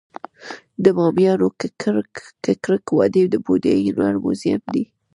د بامیانو ککرک وادي د بودايي هنر موزیم دی